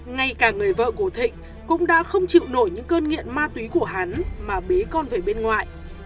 ngay cả người vợ của thịnh cũng đã không chịu nổi những cơn nghiện ma túy của hắn mà bế con về bên ngoài